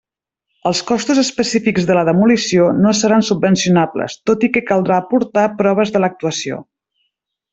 Els costos específics de la demolició no seran subvencionables, tot i que caldrà aportar proves de l'actuació.